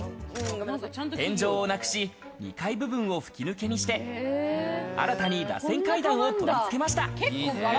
天井をなくし、２階部分を吹き抜けにして、新たに、らせん階段を取り付けました。